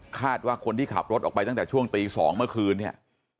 คาดว่าคนที่ขับรถออกไปตั้งแต่ช่วงตี๒เมื่อคืนเนี่ย